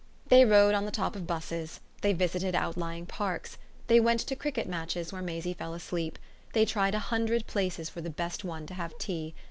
They rode on the top of 'buses; they visited outlying parks; they went to cricket matches where Maisie fell asleep; they tried a hundred places for the best one to have tea.